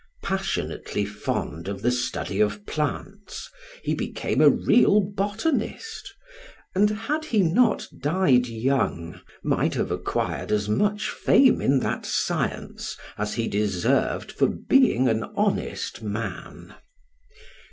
Passionately fond of the study of plants, he became a real botanist, and had he not died young, might have acquired as much fame in that science as he deserved for being an honest man.